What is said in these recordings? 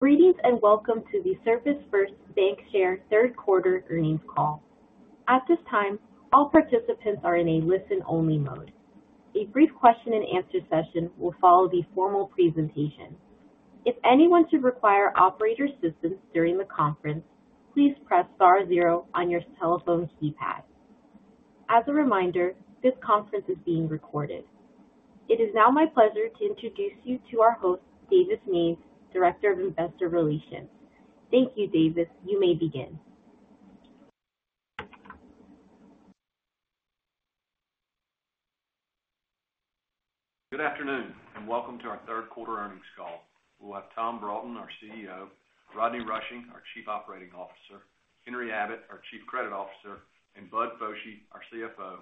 Greetings, and welcome to the ServisFirst Bancshares Third Quarter Earnings Call. At this time, all participants are in a listen-only mode. A brief question and answer session will follow the formal presentation. If anyone should require operator assistance during the conference, please press star zero on your telephone keypad. As a reminder, this conference is being recorded. It is now my pleasure to introduce you to our host, Davis Mange, Director of Investor Relations. Thank you, Davis. You may begin. Good afternoon, and welcome to our Third Quarter Earnings Call. We'll have Tom Broughton, our CEO, Rodney Rushing, our Chief Operating Officer, Henry Abbott, our Chief Credit Officer, and Bud Foshee, our CFO,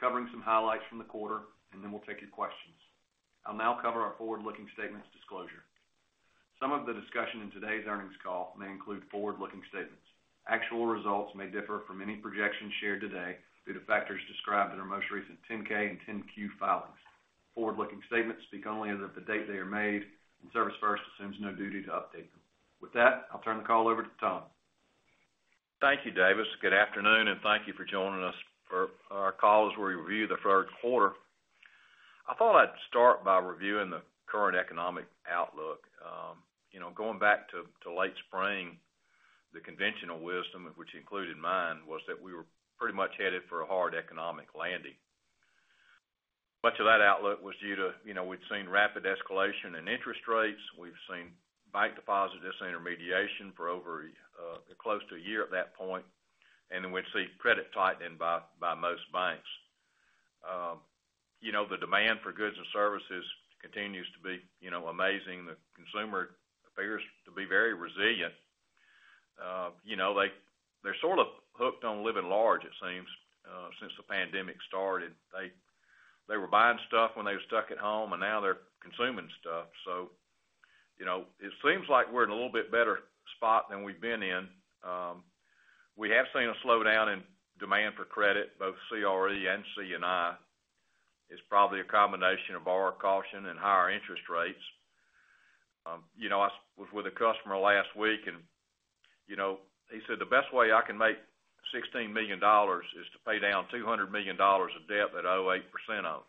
covering some highlights from the quarter, and then we'll take your questions. I'll now cover our forward-looking statements disclosure. Some of the discussion in today's earnings call may include forward-looking statements. Actual results may differ from any projections shared today due to factors described in our most recent 10-K and 10-Q filings. Forward-looking statements speak only as of the date they are made, and ServisFirst assumes no duty to update them. With that, I'll turn the call over to Tom. Thank you, Davis. Good afternoon, and thank you for joining us for our call as we review the third quarter. I thought I'd start by reviewing the current economic outlook. You know, going back to late spring, the conventional wisdom, of which included mine, was that we were pretty much headed for a hard economic landing. Much of that outlook was due to, you know, we'd seen rapid escalation in interest rates. We've seen bank deposit disintermediation for over, close to a year at that point, and then we'd see credit tightening by most banks. You know, the demand for goods and services continues to be, you know, amazing. The consumer appears to be very resilient. You know, they, they're sort of hooked on living large, it seems, since the pandemic started. They, they were buying stuff when they were stuck at home, and now they're consuming stuff. So, you know, it seems like we're in a little bit better spot than we've been in. We have seen a slowdown in demand for credit, both CRE and C&I. It's probably a combination of borrower caution and higher interest rates. You know, I was with a customer last week and, you know, he said, "The best way I can make $16 million is to pay down $200 million of debt that I owe 8% of."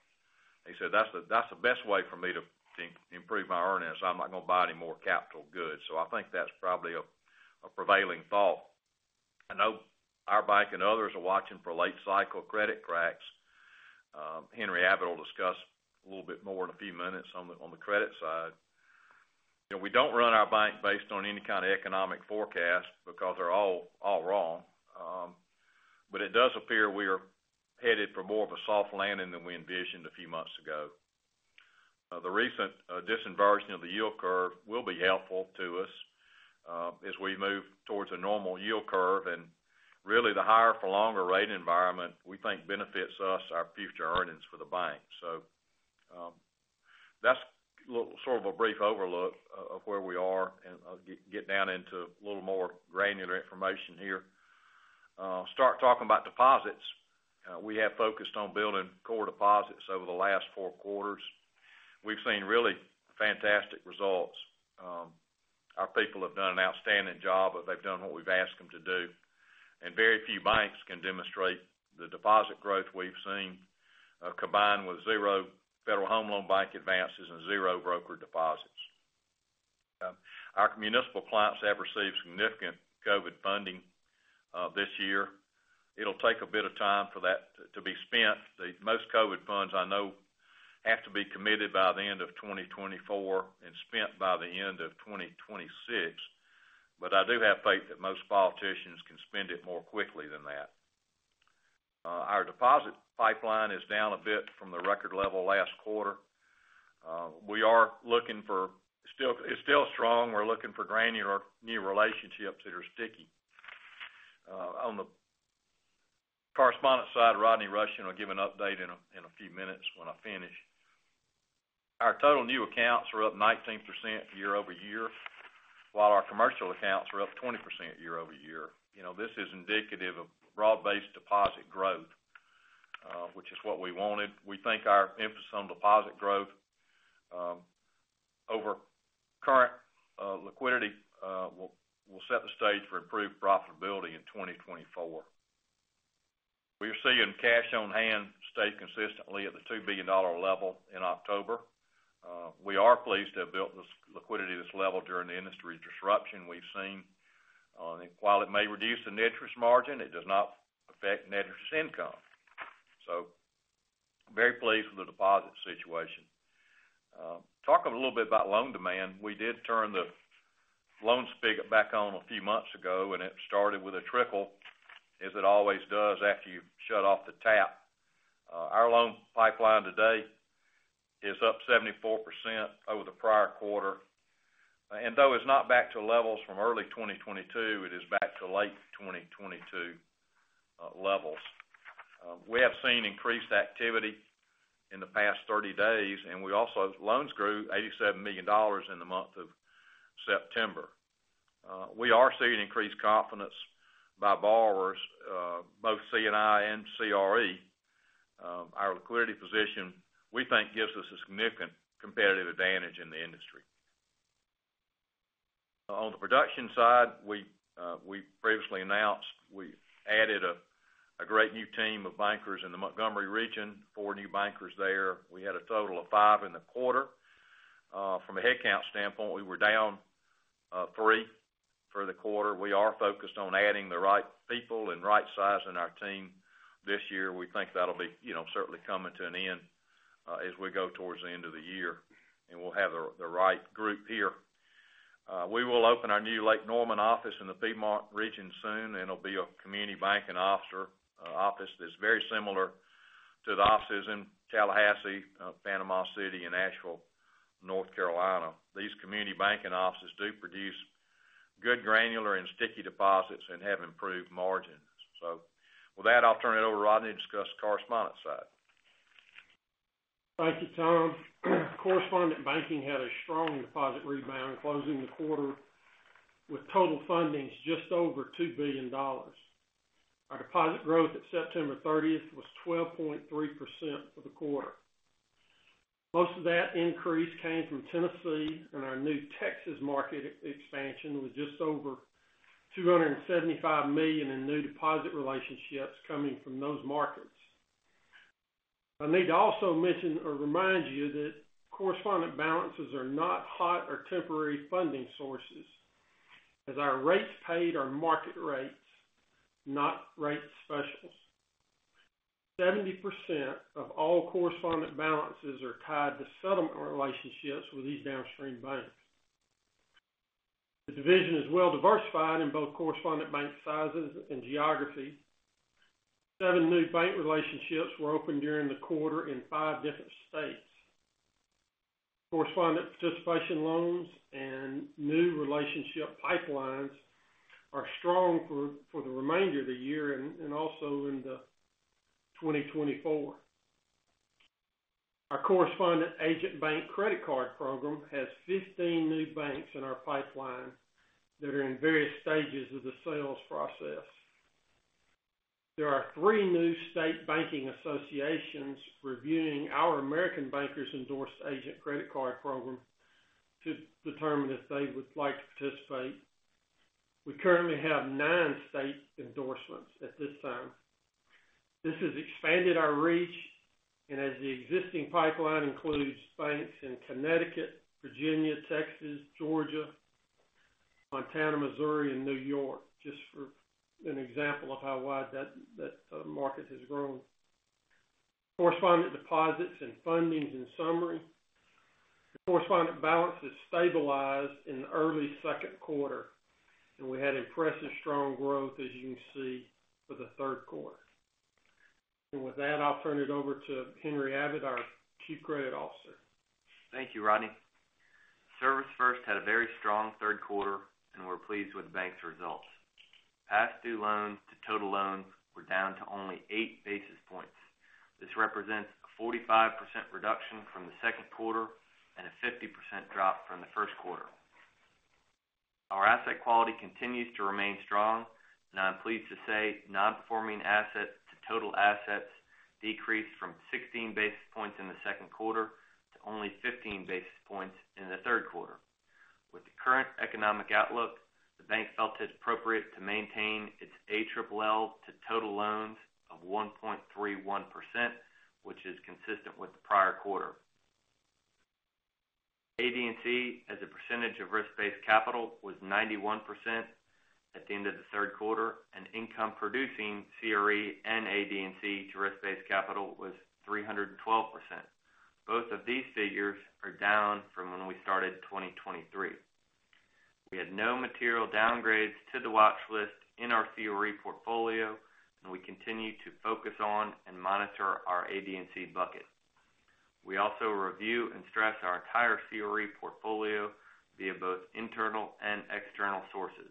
He said, "That's the, that's the best way for me to, to improve my earnings. I'm not going to buy any more capital goods." So I think that's probably a, a prevailing thought. I know our bank and others are watching for late cycle credit cracks. Henry Abbott will discuss a little bit more in a few minutes on the credit side. You know, we don't run our bank based on any kind of economic forecast because they're all wrong. But it does appear we are headed for more of a soft landing than we envisioned a few months ago. The recent disinversion of the yield curve will be helpful to us as we move towards a normal yield curve, and really, the higher for longer rate environment, we think benefits us, our future earnings for the bank. So, that's sort of a brief overview of where we are, and I'll get down into a little more granular information here. Start talking about deposits. We have focused on building core deposits over the last four quarters. We've seen really fantastic results. Our people have done an outstanding job, but they've done what we've asked them to do. Very few banks can demonstrate the deposit growth we've seen, combined with zero Federal Home Loan Bank advances and zero broker deposits. Our municipal clients have received significant COVID funding this year. It'll take a bit of time for that to be spent. The most COVID funds I know have to be committed by the end of 2024 and spent by the end of 2026, but I do have faith that most politicians can spend it more quickly than that. Our deposit pipeline is down a bit from the record level last quarter. Still, it's still strong. We're looking for granular new relationships that are sticky. On the correspondent side, Rodney Rushing will give an update in a few minutes when I finish. Our total new accounts are up 19% year-over-year, while our commercial accounts are up 20% year-over-year. You know, this is indicative of broad-based deposit growth, which is what we wanted. We think our emphasis on deposit growth over current liquidity will set the stage for improved profitability in 2024. We're seeing cash on hand stay consistently at the $2 billion level in October. We are pleased to have built this liquidity, this level, during the industry disruption we've seen. And while it may reduce the net interest margin, it does not affect net interest income. So very pleased with the deposit situation. Talking a little bit about loan demand. We did turn the loan spigot back on a few months ago, and it started with a trickle, as it always does after you've shut off the tap. Our loan pipeline today is up 74% over the prior quarter, and though it's not back to levels from early 2022, it is back to late 2022 levels. We have seen increased activity in the past 30 days, and loans grew $87 million in the month of September. We are seeing increased confidence by borrowers, both C&I and CRE. Our liquidity position, we think gives us a significant competitive advantage in the industry. On the production side, we previously announced we added a great new team of bankers in the Montgomery region, four new bankers there. We had a total of five in the quarter. From a headcount standpoint, we were down three for the quarter. We are focused on adding the right people and right-sizing our team this year. We think that'll be, you know, certainly coming to an end as we go towards the end of the year, and we'll have the right group here. We will open our new Lake Norman office in the Piedmont region soon, and it'll be a community banking office that's very similar to the offices in Tallahassee, Panama City, and Asheville, North Carolina. These community banking offices do produce good granular and sticky deposits and have improved margins. So with that, I'll turn it over to Rodney to discuss the correspondent side. Thank you, Tom. Correspondent banking had a strong deposit rebound, closing the quarter with total fundings just over $2 billion. Our deposit growth at September 30th was 12.3% for the quarter. Most of that increase came from Tennessee, and our new Texas market expansion was just over $275 million in new deposit relationships coming from those markets. I need to also mention or remind you that correspondent balances are not hot or temporary funding sources, as our rates paid are market rates, not rate specials. 70% of all correspondent balances are tied to settlement relationships with these downstream banks. The division is well diversified in both correspondent bank sizes and geography. Seven new bank relationships were opened during the quarter in five different states. Correspondent participation loans and new relationship pipelines are strong for the remainder of the year and also into 2024. Our correspondent agent bank credit card program has 15 new banks in our pipeline that are in various stages of the sales process. There are three new state banking associations reviewing our American Bankers endorsed agent credit card program to determine if they would like to participate. We currently have nine state endorsements at this time. This has expanded our reach, and as the existing pipeline includes banks in Connecticut, Virginia, Texas, Georgia, Montana, Missouri, and New York, just for an example of how wide that market has grown. Correspondent deposits and fundings in summary, correspondent balances stabilized in the early second quarter, and we had impressive strong growth, as you can see, for the third quarter. With that, I'll turn it over to Henry Abbott, our Chief Credit Officer. Thank you, Rodney. ServisFirst had a very strong third quarter, and we're pleased with the bank's results. Past due loans to total loans were down to only 8 basis points. This represents a 45% reduction from the second quarter and a 50% drop from the first quarter. Our asset quality continues to remain strong, and I'm pleased to say non-performing assets to total assets decreased from 16 basis points in the second quarter to only 15 basis points in the third quarter. With the current economic outlook, the bank felt it appropriate to maintain its ALL to total loans of 1.31%, which is consistent with the prior quarter. AD&C, as a percentage of risk-based capital, was 91% at the end of the third quarter, and income producing CRE and AD&C to risk-based capital was 312%. Both of these figures are down from when we started 2023. We had no material downgrades to the watch list in our CRE portfolio, and we continue to focus on and monitor our AD&C bucket. We also review and stress our entire CRE portfolio via both internal and external sources.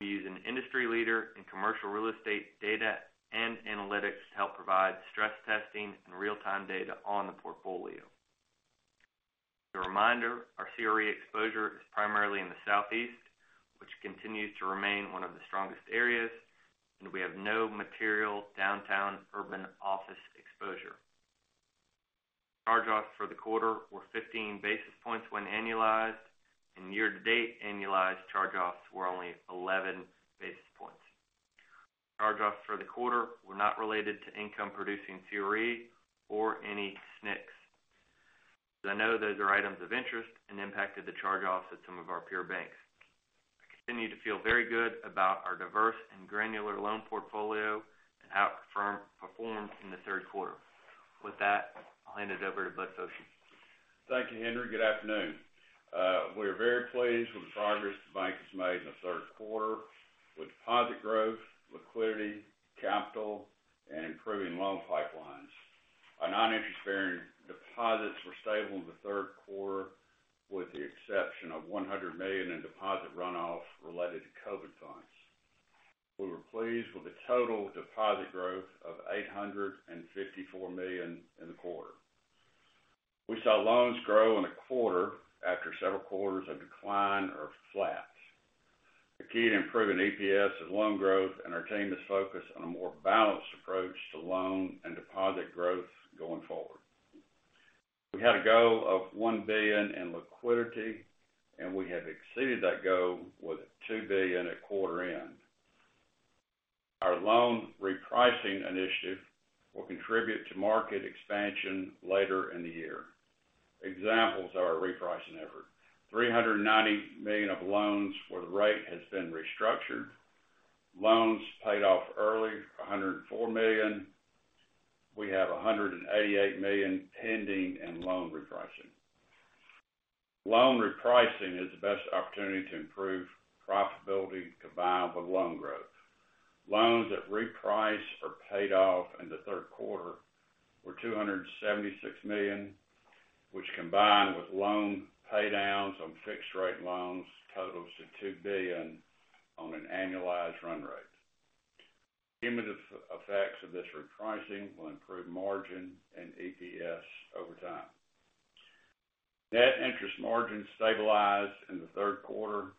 We use an industry leader in commercial real estate data and analytics to help provide stress testing and real-time data on the portfolio. A reminder, our CRE exposure is primarily in the Southeast, which continues to remain one of the strongest areas, and we have no material downtown urban office exposure. Charge-offs for the quarter were 15 basis points when annualized, and year-to-date annualized charge-offs were only 11 basis points. Charge-offs for the quarter were not related to income-producing CRE or any SNCs. I know those are items of interest and impacted the charge-offs at some of our peer banks. I continue to feel very good about our diverse and granular loan portfolio and how it performed in the third quarter. With that, I'll hand it over to Bud Foshee. Thank you, Henry. Good afternoon. We are very pleased with the progress the bank has made in the third quarter with deposit growth, liquidity, capital, and improving loan pipelines. Our non-interest-bearing deposits were stable in the third quarter, with the exception of $100 million in deposit runoff related to COVID funds. We were pleased with the total deposit growth of $854 million in the quarter. We saw loans grow in a quarter after several quarters of decline or flat. The key to improving EPS is loan growth, and our team is focused on a more balanced approach to loan and deposit growth going forward. We had a goal of $1 billion in liquidity, and we have exceeded that goal with $2 billion at quarter end. Our loan repricing initiative will contribute to market expansion later in the year. Examples of our repricing effort: $390 million of loans where the rate has been restructured, loans paid off early, $104 million. We have $188 million pending in loan repricing. Loan repricing is the best opportunity to improve profitability combined with loan growth. Loans that reprice or paid off in the third quarter were $276 million, which combined with loan paydowns on fixed rate loans totals to $2 billion on an annualized run rate. Cumulative effects of this repricing will improve margin and EPS over time. Net interest margin stabilized in the third quarter,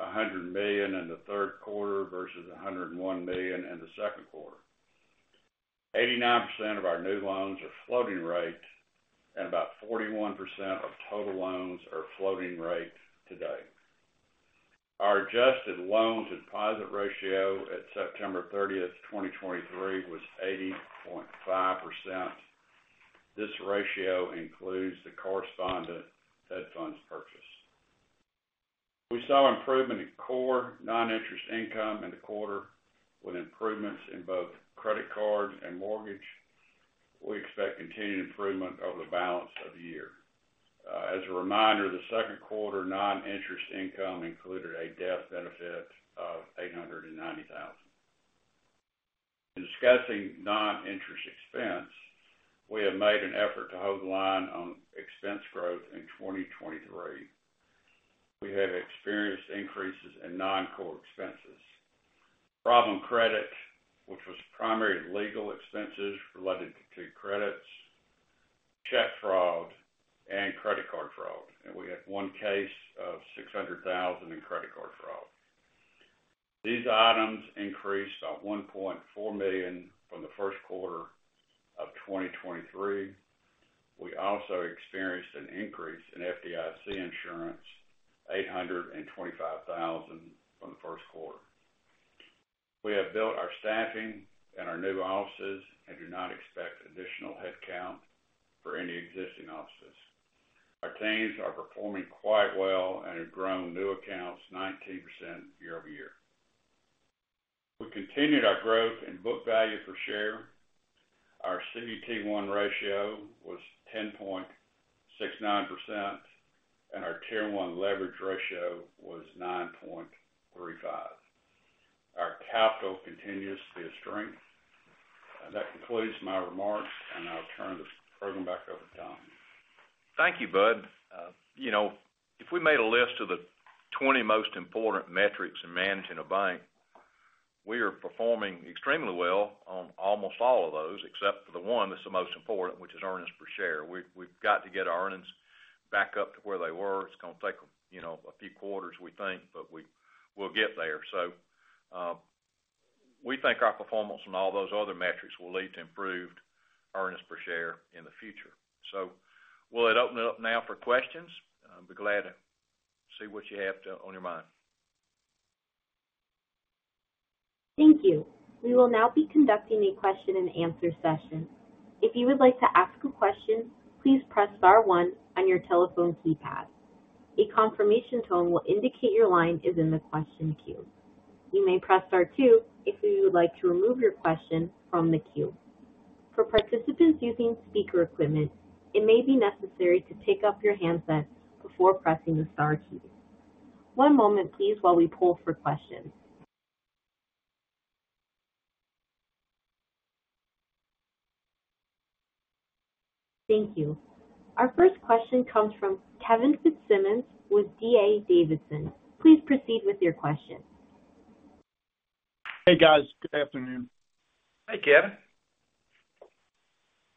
$100 million in the third quarter versus $101 million in the second quarter. 89% of our new loans are floating rate, and about 41% of total loans are floating rate today. Our adjusted loans and deposit ratio at September 30, 2023, was 80.5%. This ratio includes the correspondent that funds purchase. We saw improvement in core non-interest income in the quarter, with improvements in both credit card and mortgage. We expect continued improvement over the balance of the year. As a reminder, the second quarter non-interest income included a death benefit of $890,000. Discussing non-interest expense, we have made an effort to hold the line on expense growth in 2023. We have experienced increases in non-core expenses. Problem credit, which was primarily legal expenses related to credits, check fraud, and credit card fraud, and we had one case of $600,000 in credit card fraud. These items increased by $1.4 million from the first quarter of 2023. We also experienced an increase in FDIC insurance, $825,000 from the first quarter. We have built our staffing and our new offices and do not expect additional headcount for any existing offices. Our teams are performing quite well and have grown new accounts 19% year-over-year. We continued our growth in book value per share. Our CET1 ratio was 10.69%, and our Tier 1 leverage ratio was 9.35. Our capital continues to be a strength. That concludes my remarks, and I'll turn the program back over to Tom. Thank you, Bud. You know, if we made a list of the 20 most important metrics in managing a bank, we are performing extremely well on almost all of those, except for the one that's the most important, which is earnings per share. We've, we've got to get our earnings back up to where they were. It's going to take, you know, a few quarters, we think, but we, we'll get there. So, we think our performance on all those other metrics will lead to improved earnings per share in the future. So we'll open it up now for questions. I'll be glad to see what you have to... on your mind. Thank you. We will now be conducting a question and answer session. If you would like to ask a question, please press star one on your telephone keypad. A confirmation tone will indicate your line is in the question queue. You may press star two if you would like to remove your question from the queue. For participants using speaker equipment, it may be necessary to pick up your handset before pressing the star key. One moment, please, while we pull for questions. Thank you. Our first question comes from Kevin Fitzsimmons with D.A. Davidson. Please proceed with your question. Hey, guys. Good afternoon. Hi, Kevin.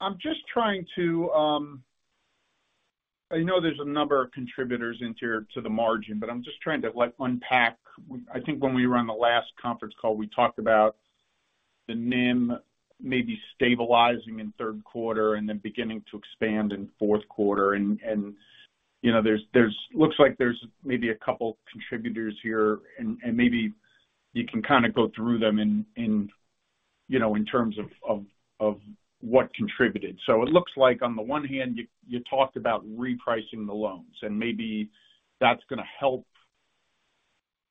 I'm just trying to, I know there's a number of contributors into your, to the margin, but I'm just trying to, like, unpack. I think when we were on the last conference call, we talked about the NIM maybe stabilizing in third quarter and then beginning to expand in fourth quarter. And, you know, there's-- looks like there's maybe a couple contributors here, and maybe you can kind of go through them in, you know, in terms of what contributed. So it looks like on the one hand, you talked about repricing the loans, and maybe that's going to help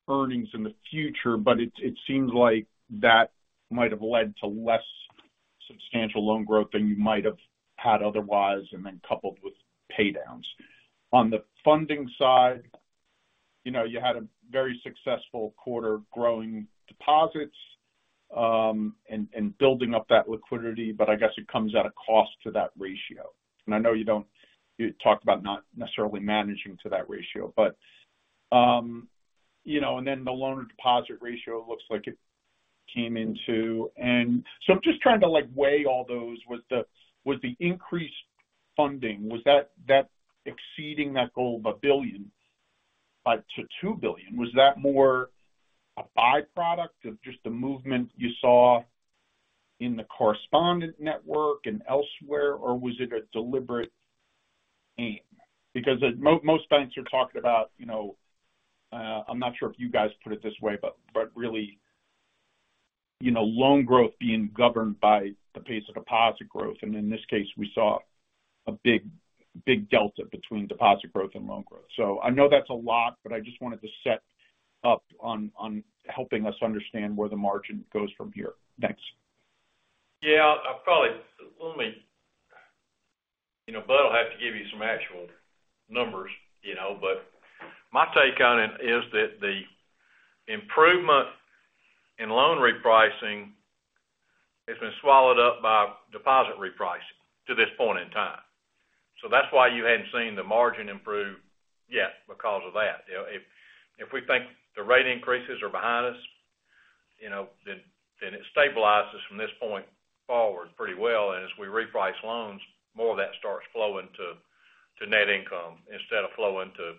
earnings in the future, but it seems like that might have led to less substantial loan growth than you might have had otherwise, and then coupled with pay downs. On the funding side, you know, you had a very successful quarter growing deposits, and building up that liquidity, but I guess it comes at a cost to that ratio. And I know you don't, you talked about not necessarily managing to that ratio, but, you know, and then the loan-to-deposit ratio looks like it came into. And so I'm just trying to, like, weigh all those. Was the increased funding exceeding that goal of $1 billion-$2 billion? Was that more a byproduct of just the movement you saw in the correspondent network and elsewhere, or was it a deliberate aim? Because most banks are talking about, you know, I'm not sure if you guys put it this way, but, but really, you know, loan growth being governed by the pace of deposit growth, and in this case, we saw a big, big delta between deposit growth and loan growth. So I know that's a lot, but I just wanted to set up on helping us understand where the margin goes from here. Thanks. Yeah, let me. You know, Bud will have to give you some actual numbers, you know, but my take on it is that the improvement in loan repricing has been swallowed up by deposit repricing to this point in time. So that's why you hadn't seen the margin improve yet because of that. You know, if, if we think the rate increases are behind us, you know, then, then it stabilizes from this point forward pretty well, and as we reprice loans, more of that starts flowing to, to net income instead of flowing to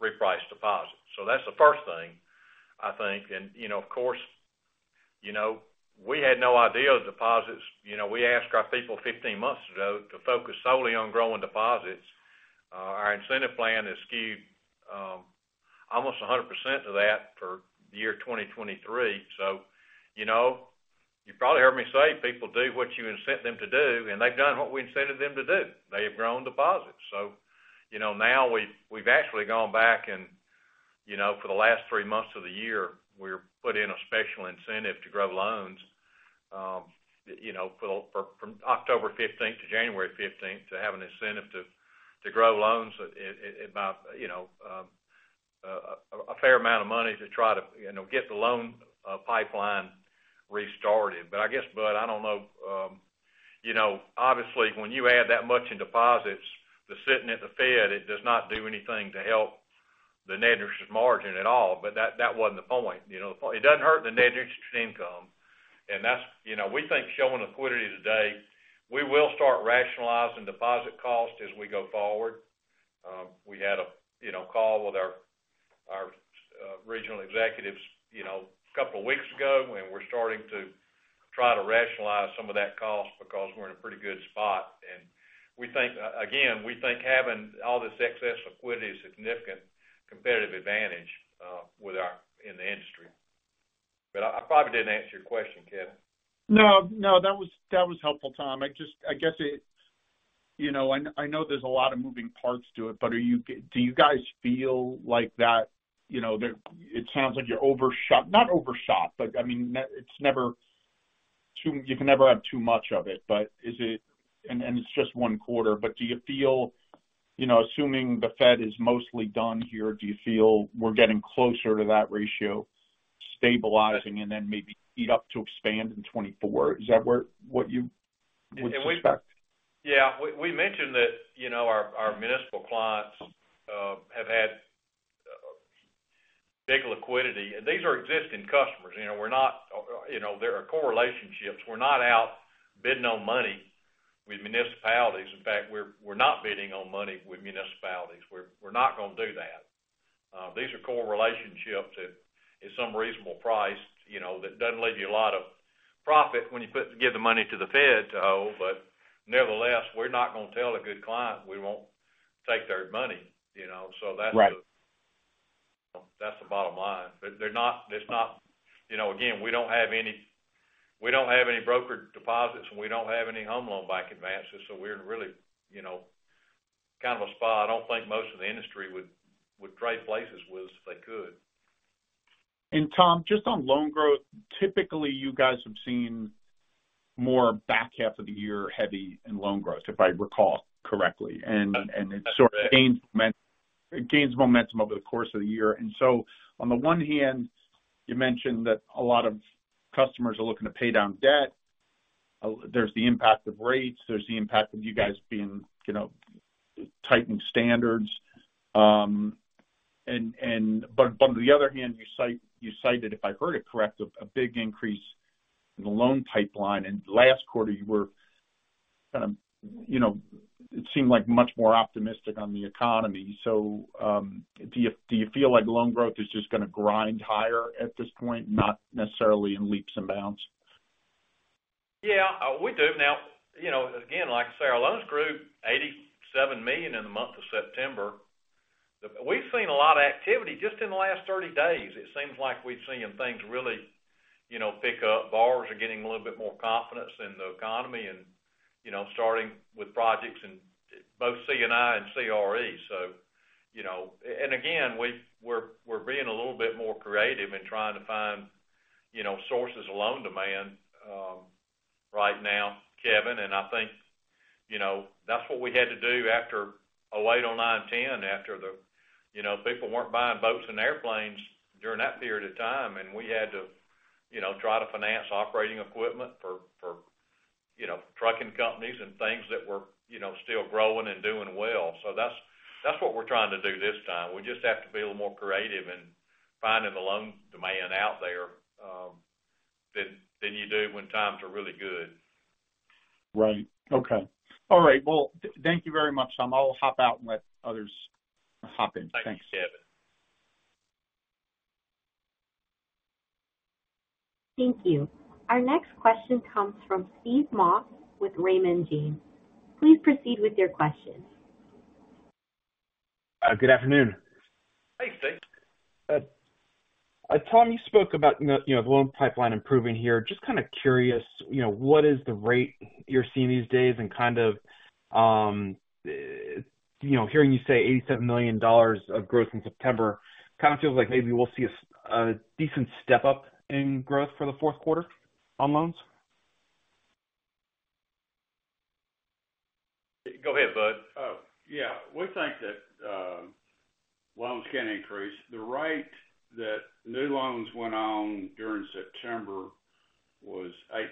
reprice deposits. So that's the first thing, I think. And, you know, of course, you know, we had no idea the deposits. You know, we asked our people 15 months ago to focus solely on growing deposits. Our incentive plan is skewed almost 100% to that for the year 2023. So, you know, you probably heard me say, people do what you incent them to do, and they've done what we incented them to do. They have grown deposits. So, you know, now we've actually gone back and, you know, for the last three months of the year, we've put in a special incentive to grow loans, you know, from October 15th to January 15th, to have an incentive to grow loans about, you know, a fair amount of money to try to, you know, get the loan pipeline restarted. But I guess, Bud, I don't know, you know, obviously, when you add that much in deposits, the sitting at the Fed, it does not do anything to help the net interest margin at all, but that, that wasn't the point. You know, the point. It doesn't hurt the net interest income, and that's, you know, we think showing liquidity today, we will start rationalizing deposit costs as we go forward. We had a, you know, call with our, our regional executives, you know, a couple of weeks ago, and we're starting to try to rationalize some of that cost because we're in a pretty good spot. And we think, again, we think having all this excess liquidity is a significant competitive advantage, with our in the industry. But I, I probably didn't answer your question, Kevin. No, no, that was, that was helpful, Tom. I just—I guess it. You know, I, I know there's a lot of moving parts to it, but are you, do you guys feel like that, you know, that it sounds like you're overshot, not overshot, but, I mean, it's never too. You can never have too much of it. But is it—and, and it's just one quarter, but do you feel, you know, assuming the Fed is mostly done here, do you feel we're getting closer to that ratio stabilizing and then maybe built up to expand in 2024? Is that where, what you would expect? Yeah, we mentioned that, you know, our municipal clients have had big liquidity. These are existing customers, you know, we're not, you know, there are core relationships. We're not out bidding on money with municipalities. In fact, we're not bidding on money with municipalities. We're not going to do that. These are core relationships at some reasonable price, you know, that doesn't leave you a lot of profit when you put--give the money to the Fed to hold. But nevertheless, we're not going to tell a good client we won't take their money, you know, so that's- Right. That's the bottom line. But they're not, it's not, you know, again, we don't have any, we don't have any brokered deposits, and we don't have any home loan bank advances, so we're in really, you know, kind of a spot I don't think most of the industry would, would trade places with us if they could. Tom, just on loan growth, typically, you guys have seen more back half of the year heavy in loan growth, if I recall correctly. That's right. It gains momentum over the course of the year. So, on the one hand, you mentioned that a lot of customers are looking to pay down debt. There's the impact of rates, there's the impact of you guys being, you know, tightening standards, but on the other hand, you cite, you cited, if I heard it correct, a big increase in the loan pipeline, and last quarter, you were kind of, you know, it seemed like much more optimistic on the economy. Do you feel like loan growth is just going to grind higher at this point, not necessarily in leaps and bounds? Yeah, we do. Now, you know, again, like I say, our loans grew $87 million in the month of September. We've seen a lot of activity just in the last 30 days. It seems like we've seen things really, you know, pick up. Borrowers are getting a little bit more confidence in the economy and, you know, starting with projects in both C&I and CRE. So, you know, and again, we're being a little bit more creative in trying to find, you know, sources of loan demand right now, Kevin, and I think, you know, that's what we had to do after 2008, 2009, 2010, after the, you know, people weren't buying boats and airplanes during that period of time, and we had to, you know, try to finance operating equipment for, for- You know, trucking companies and things that were, you know, still growing and doing well. So that's what we're trying to do this time. We just have to be a little more creative in finding the loan demand out there than you do when times are really good. Right. Okay. All right, well, thank you very much, Tom. I'll hop out and let others hop in. Thanks. Thank you, Kevin. Thank you. Our next question comes from Steve Moss with Raymond James. Please proceed with your question. Good afternoon. Hey, Steve. Tom, you spoke about the, you know, the loan pipeline improving here. Just kind of curious, you know, what is the rate you're seeing these days? And kind of, you know, hearing you say $87 million of growth in September, kind of feels like maybe we'll see a decent step up in growth for the fourth quarter on loans. Go ahead, Bud. Oh, yeah. We think that loans can increase. The rate that new loans went on during September was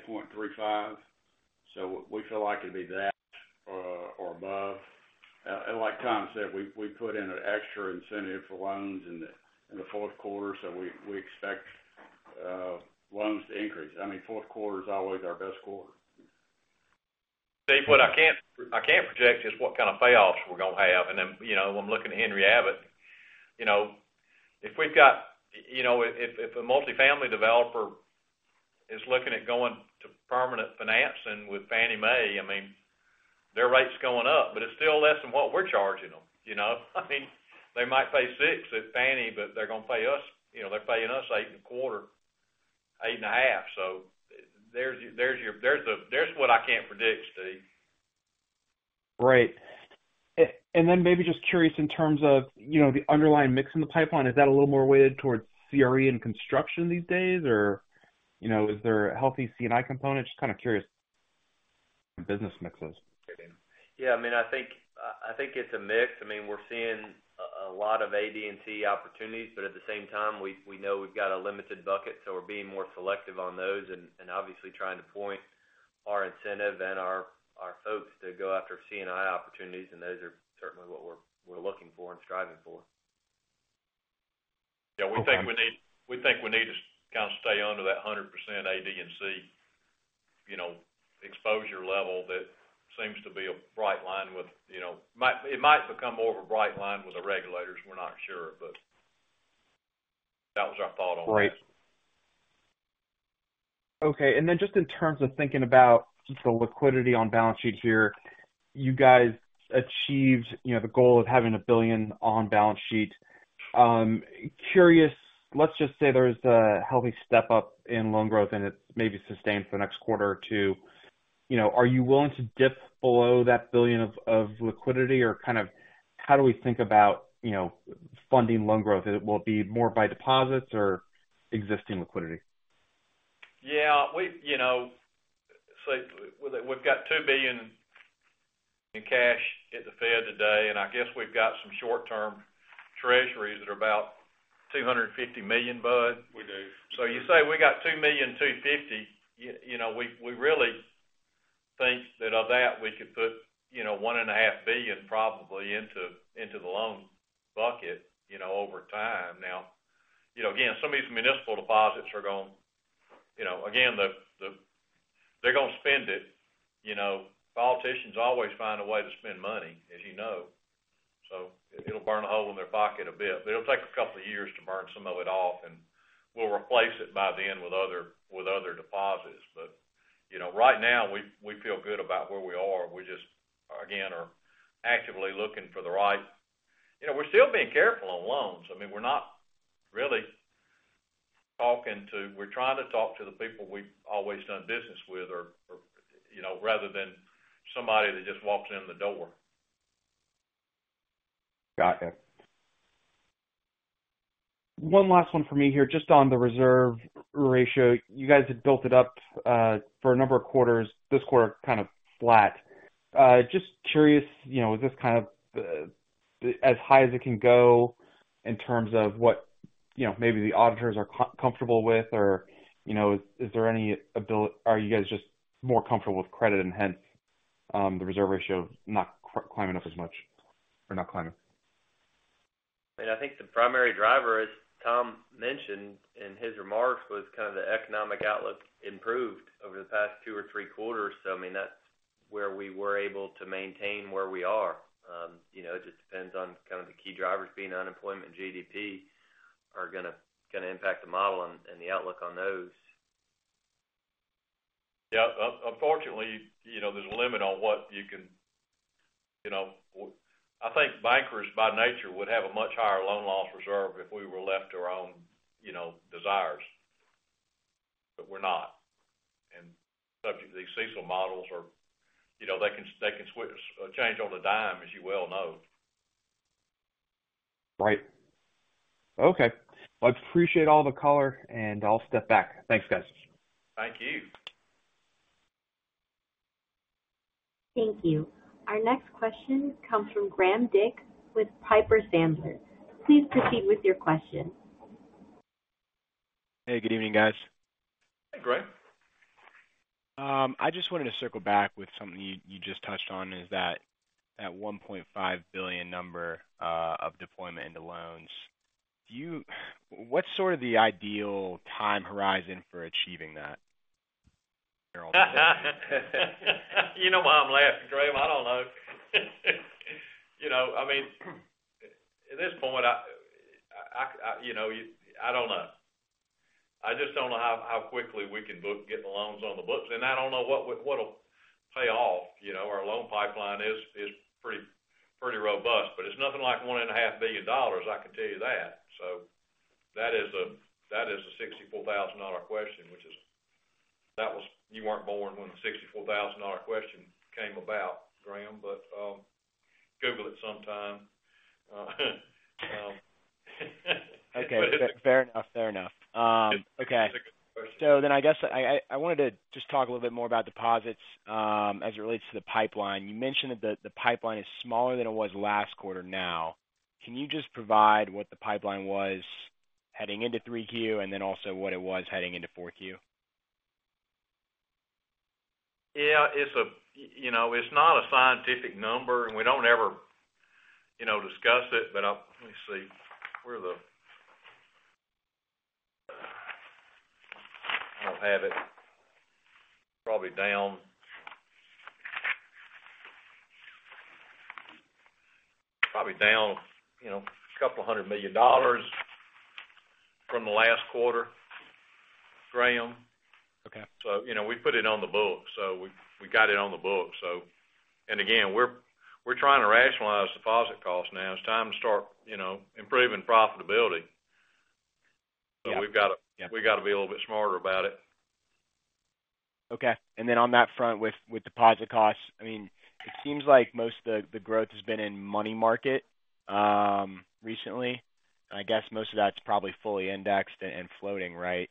8.35, so we feel like it'd be that or above. And like Tom said, we put in an extra incentive for loans in the fourth quarter, so we expect loans to increase. I mean, fourth quarter is always our best quarter. Steve, what I can't project is what kind of payoffs we're going to have. Then, you know, when looking at Henry Abbott, you know, if we've got a multifamily developer looking at going to permanent financing with Fannie Mae, I mean, their rate's going up, but it's still less than what we're charging them, you know? I mean, they might pay 6% at Fannie, but they're going to pay us, you know, they're paying us 8.25%-8.5%. So there's what I can't predict, Steve. Right. And then maybe just curious in terms of, you know, the underlying mix in the pipeline, is that a little more weighted towards CRE and construction these days? Or, you know, is there a healthy C&I component? Just kind of curious business mixes. Yeah, I mean, I think, I think it's a mix. I mean, we're seeing a lot of AD&C opportunities, but at the same time, we know we've got a limited bucket, so we're being more selective on those and obviously trying to point our incentive and our folks to go after C&I opportunities, and those are certainly what we're looking for and striving for. Yeah, we think we need, we think we need to kind of stay under that 100% AD&C, you know, exposure level. That seems to be a bright line with, you know, might—it might become more of a bright line with the regulators, we're not sure, but that was our thought on that. Right. Okay, and then just in terms of thinking about just the liquidity on balance sheet here, you guys achieved, you know, the goal of having $1 billion on balance sheet. Curious, let's just say there's a healthy step up in loan growth and it's maybe sustained for the next quarter or two. You know, are you willing to dip below that $1 billion of liquidity? Or kind of how do we think about, you know, funding loan growth? Will it be more by deposits or existing liquidity? Yeah, we, you know, so we've got $2 billion in cash at the Fed today, and I guess we've got some short-term Treasuries that are about $250 million, Bud? We do. So you say we got $2.25 billion, you know, we really think that of that, we could put, you know, $1.5 billion probably into the loan bucket, you know, over time. Now, you know, again, some of these municipal deposits are going, you know, again, they're going to spend it. You know, politicians always find a way to spend money, as you know. So it'll burn a hole in their pocket a bit, but it'll take a couple of years to burn some of it off, and we'll replace it by then with other deposits. But, you know, right now, we feel good about where we are. We just, again, are actively looking for the right, you know, we're still being careful on loans. I mean, we're not really talking to, we're trying to talk to the people we've always done business with or, or, you know, rather than somebody that just walks in the door. Got it. One last one for me here, just on the reserve ratio. You guys had built it up for a number of quarters. This quarter, kind of flat. Just curious, you know, is this kind of as high as it can go in terms of what, you know, maybe the auditors are comfortable with? Or, you know, is there any, are you guys just more comfortable with credit and hence, the reserve ratio not climbing up as much or not climbing? I mean, I think the primary driver, as Tom mentioned in his remarks, was kind of the economic outlook improved over the past two or three quarters. So, I mean, that's where we were able to maintain where we are. You know, it just depends on kind of the key drivers, being unemployment and GDP, are gonna impact the model and the outlook on those. Yeah, unfortunately, you know, there's a limit on what you can, you know, I think bankers, by nature, would have a much higher loan loss reserve if we were left to our own, you know, desires, but we're not. And subject to these CECL models are, you know, they can, they can switch, change on a dime, as you well know. Right. Okay. Well, I appreciate all the color, and I'll step back. Thanks, guys. Thank you. Thank you. Our next question comes from Graham Dick with Piper Sandler. Please proceed with your question. Hey, good evening, guys. Hey, Graham. I just wanted to circle back with something you, you just touched on, is that, that $1.5 billion number of deployment into loans. Do you... What's sort of the ideal time horizon for achieving that? You know why I'm laughing, Graham? I don't know. You know, I mean, at this point, I, you know, you—I don't know. I just don't know how quickly we can book, get the loans on the books, and I don't know what will pay off. You know, our loan pipeline is pretty robust, but it's nothing like $1.5 billion, I can tell you that. So that is a $64,000 question, which is, you weren't born when the $64,000 question came about, Graham, but Google it sometime. Okay, fair enough. Fair enough. Okay. Good question. So then I guess I wanted to just talk a little bit more about deposits, as it relates to the pipeline. You mentioned that the pipeline is smaller than it was last quarter now. Can you just provide what the pipeline was heading into 3Q and then also what it was heading into 4Q? Yeah, it's a, you know, it's not a scientific number, and we don't ever, you know, discuss it, but let me see. Where are the, I don't have it. Probably down, probably down, you know, $200 million from the last quarter, Graham. Okay. So, you know, we put it on the books, so we, we got it on the books. So. And again, we're, we're trying to rationalize deposit costs now. It's time to start, you know, improving profitability. Yeah. We've got to- Yeah. We got to be a little bit smarter about it. Okay. And then on that front, with, with deposit costs, I mean, it seems like most of the, the growth has been in money market recently. I guess most of that's probably fully indexed and floating, right?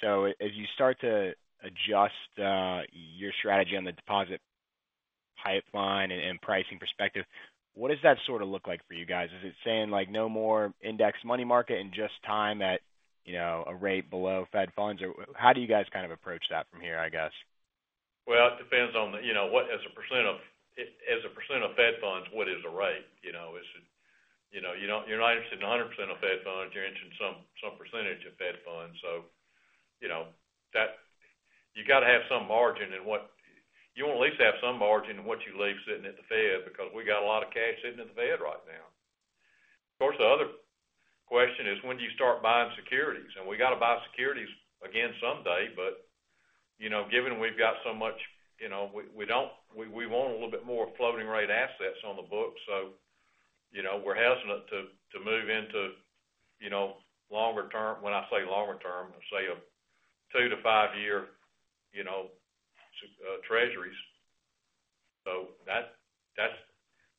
So as you start to adjust your strategy on the deposit pipeline and, and pricing perspective, what does that sort of look like for you guys? Is it saying, like, no more index money market and just time at, you know, a rate below Fed Funds? Or how do you guys kind of approach that from here, I guess? Well, it depends on the, you know, what as a percent of—as a percent of Fed Funds, what is the rate? You know, is it? You know, you don't—you're not interested in 100% of Fed Funds, you're interested in some, some percentage of Fed Funds. So, you know, that—you got to have some margin in what. You want at least to have some margin in what you leave sitting at the Fed, because we got a lot of cash sitting in the Fed right now. Of course, the other question is, when do you start buying securities? And we got to buy securities again someday, but, you know, given we've got so much, you know, we, we don't—we, we want a little bit more floating rate assets on the book, so, you know, we're hesitant to, to move into, you know, longer term. When I say longer term, I say a two- to five-year, you know, Treasuries. So that, that's,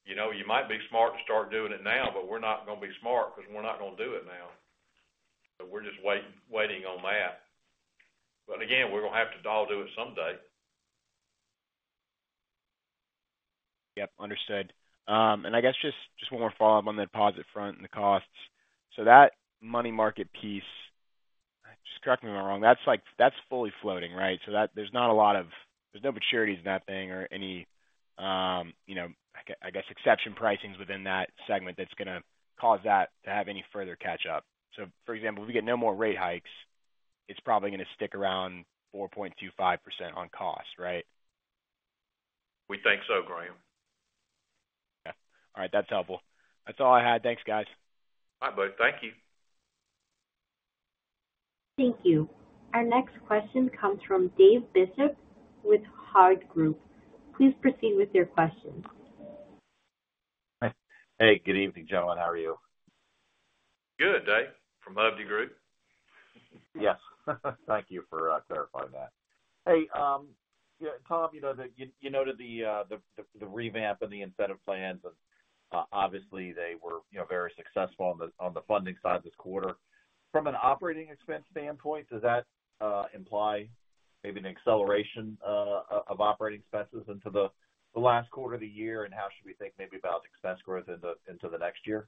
you know, you might be smart to start doing it now, but we're not going to be smart because we're not going to do it now. So we're just waiting on that. But again, we're going to have to all do it someday. Yep, understood. And I guess just one more follow-up on the deposit front and the costs. So that money market piece, just correct me if I'm wrong, that's like, that's fully floating, right? So that, there's not a lot of... There's no maturities in that thing or any, you know, I guess, exception pricings within that segment that's gonna cause that to have any further catch-up. So for example, if we get no more rate hikes, it's probably going to stick around 4.25% on cost, right? We think so, Graham. Okay. All right, that's helpful. That's all I had. Thanks, guys. Bye, Bud. Thank you. Thank you. Our next question comes from Dave Bishop with Hovde Group. Please proceed with your questions. Hey, good evening, gentlemen. How are you? Good, Dave, from Hovde Group. Yes, thank you for clarifying that. Hey, yeah, Tom, you know, you noted the revamp and the incentive plans, and obviously, they were, you know, very successful on the funding side this quarter. From an operating expense standpoint, does that imply maybe an acceleration of operating expenses into the last quarter of the year? And how should we think maybe about expense growth into the next year?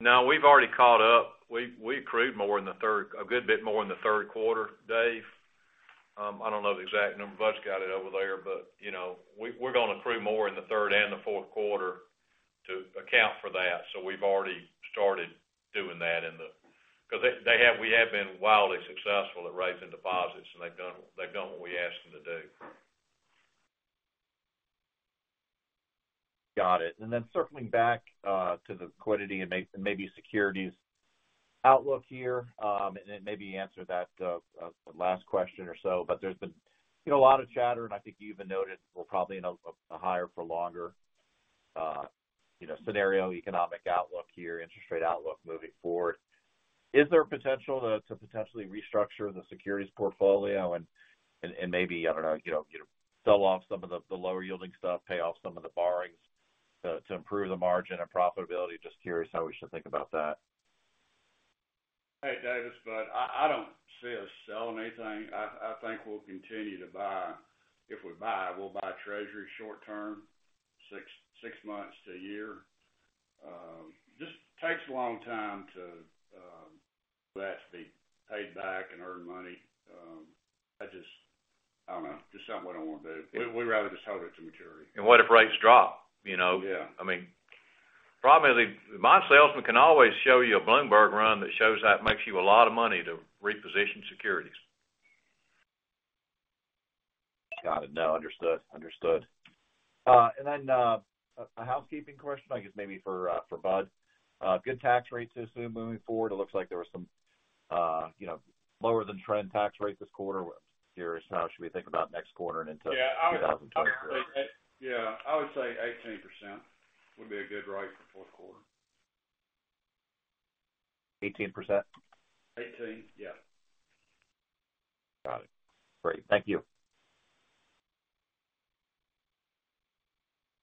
No, we've already caught up. We accrued more in the third quarter, a good bit more in the third quarter, Dave. I don't know the exact number, Bud's got it over there, but, you know, we're gonna accrue more in the third and the fourth quarter to account for that. So we've already started doing that in the... Because we have been wildly successful at raising deposits, and they've done what we asked them to do. Got it. And then circling back to the liquidity and maybe securities outlook here, and then maybe answer that last question or so, but there's been, you know, a lot of chatter, and I think you even noted we're probably in a higher for longer, you know, scenario, economic outlook here, interest rate outlook moving forward. Is there a potential to potentially restructure the securities portfolio and maybe, I don't know, you know, sell off some of the lower yielding stuff, pay off some of the borrowings to improve the margin and profitability? Just curious how we should think about that. Hey, Dave, it's Bud. I don't see us selling anything. I think we'll continue to buy. If we buy, we'll buy Treasury short term, six months to a year. Just takes a long time to for that to be paid back and earn money. I just—I don't know, just something I don't want to do. We rather just hold it to maturity. What if rates drop? You know- Yeah. I mean, probably, my salesman can always show you a Bloomberg run that shows that it makes you a lot of money to reposition securities. Got it. No, understood. Understood. And then, a housekeeping question, I guess maybe for Bud. Good tax rates to assume moving forward, it looks like there were some, you know, lower than trend tax rates this quarter. Curious, how should we think about next quarter and into- Yeah, I would- 2024? Yeah, I would say 18% would be a good rate for fourth quarter. 18%? 18, yeah. Got it. Great. Thank you.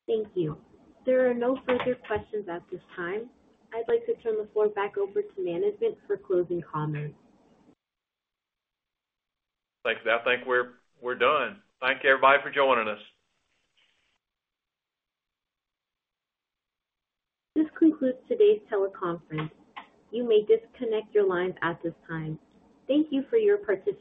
Thank you. There are no further questions at this time. I'd like to turn the floor back over to management for closing comments. Thanks. I think we're done. Thank you, everybody, for joining us. This concludes today's teleconference. You may disconnect your lines at this time. Thank you for your participation.